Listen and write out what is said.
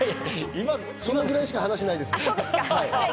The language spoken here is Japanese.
そのぐらいしか話はないです。